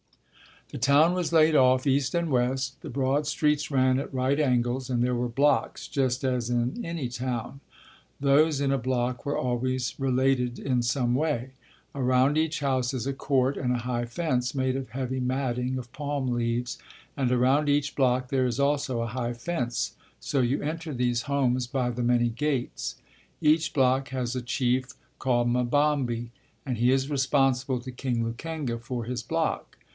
The town was laid off east and west. The broad streets ran at right angles, and there were blocks just as in any town. Those in a block were always related in some way. Around each house is a court and a high fence made of heavy matting of palm leaves, and around each block there is also a high fence, so you enter these homes by the many gates. Each block has a chief called Mbambi, and he is responsible to King Lukenga for his block.